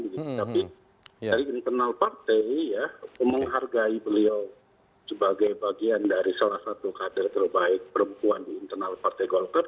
tapi dari internal partai menghargai beliau sebagai bagian dari salah satu kader terbaik perempuan di internal partai golkar